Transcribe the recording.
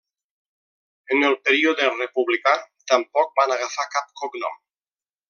En el període republicà tampoc van agafar cap cognom.